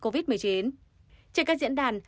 covid một mươi chín trên các diễn đàn